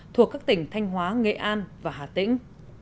thuộc các tỉnh thanh hóa nghệ an và hà tĩnh